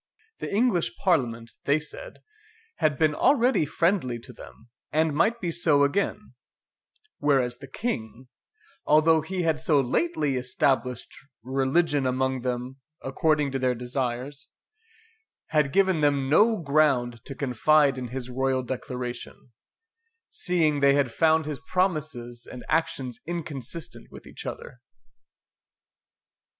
The English Parliament, they said, had been already friendly to them, and might be so again; whereas the King, although he had so lately established religion among them according to their desires, had given them no ground to confide in his royal declaration, seeing they had found his promises and actions inconsistent with each other.